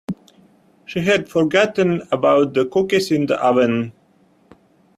She had forgotten about the cookies in the oven.